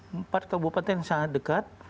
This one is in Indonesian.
empat kabupaten sangat dekat